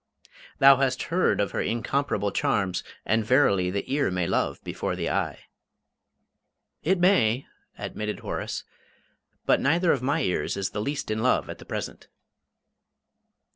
"Thou hast heard of her incomparable charms, and verily the ear may love before the eye." "It may," admitted Horace, "but neither of my ears is the least in love at present."